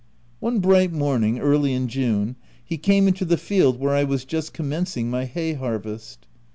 One bright morn ing early in June, he came into the field where I was just commencing my hay harvest.